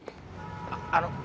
あっあのう。